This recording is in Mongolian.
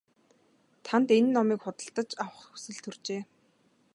Танд энэ номыг худалдаж авах хүсэл төржээ.